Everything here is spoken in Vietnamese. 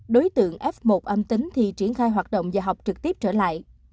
đối tượng f một âm tính thì triển khai hoạt động và học trực tiếp trở lại